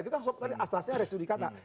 itu asasnya ada sudikata